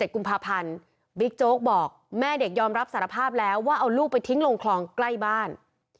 กุมภาพันธ์บิ๊กโจ๊กบอกแม่เด็กยอมรับสารภาพแล้วว่าเอาลูกไปทิ้งลงคลองใกล้บ้าน